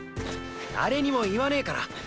誰にも言わねから。